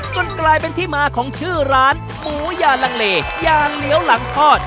จนกลายเป็นที่มาของชื่อร้านหมูยาลังเลยาเหลียวหลังทอด